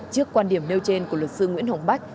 trước quan điểm nêu trên của luật sư nguyễn hồng bách